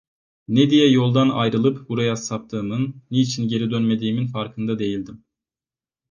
Ne diye yoldan ayrılıp buraya saptığımın, niçin geri dönmediğimin farkında değildim.